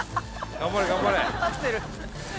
頑張れ頑張れ！